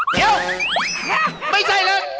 เดี๋ยวไม่ใช่เลย